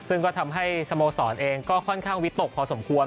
ซึ่งก็ทำให้สโมสรเองก็ค่อนข้างวิตกพอสมควร